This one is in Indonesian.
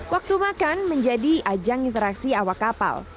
waktu makan menjadi ajang interaksi awak kapal